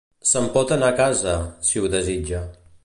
Se'n pot anar a casa, si ho desitja.